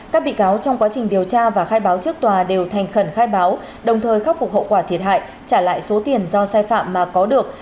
các bị cáo trong quá trình điều tra và khai báo trước tòa đều thành khẩn khai báo đồng thời khắc phục hậu quả thiệt hại trả lại số tiền do sai phạm mà có được